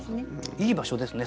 いい場所ですね。